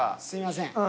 すいません。